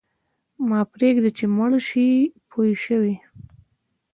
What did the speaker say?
مه پرېږده چې مړ شې پوه شوې!.